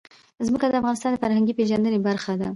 ځمکه د افغانانو د فرهنګي پیژندنې برخه ده.